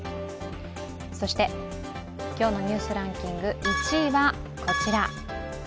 そして今日の「ニュースランキング」１位はこちら。